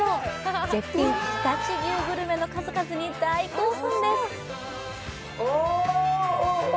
絶品、常陸牛グルメの数々に大興奮です。